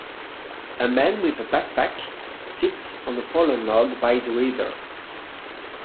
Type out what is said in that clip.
A man with a backpack sits on a fallen log by the river.